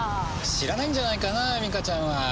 知らないんじゃないかなミカちゃんは。